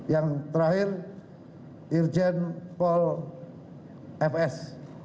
yang terakhir irjen pol fs